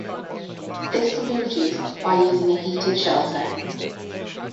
This can be reduced by using a heated shelter.